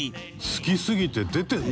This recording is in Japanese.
好きすぎて出てるの？